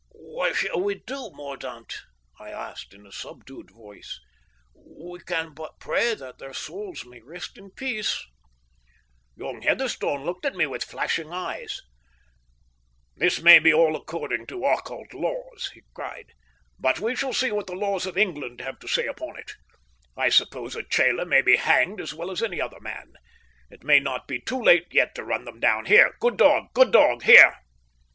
"What shall we do, Mordaunt?" I asked, in a subdued voice. "We can but pray that their souls may rest in peace." Young Heatherstone looked at me with flashing eyes. "This may be all according to occult laws," he cried, "but we shall see what the laws of England have to say upon it. I suppose a chela may be hanged as well as any other man. It may not be too late yet to run them down. Here, good dog, good dog here!"